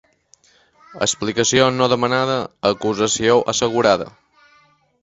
Explicació no demanada, acusació assegurada.